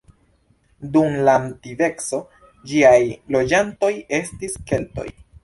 Dum la antikveco ĝiaj loĝantoj estis Keltoj.